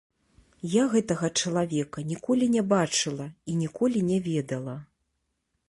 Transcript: Я гэтага чалавека ніколі не бачыла і ніколі не ведала.